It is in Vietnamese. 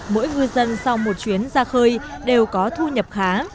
mỗi ngư dân sau một chuyến ra khơi đều có thu nhập khá